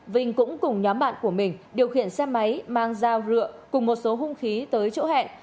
vinh cũng cùng nhóm bạn của mình điều khiển xe máy mang dao rượu cùng một số hung khí tới chỗ hẹn